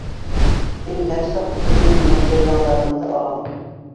Мин һәр саҡ үҙем менән материалдарымды алам.